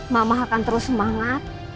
mama akan terus semangat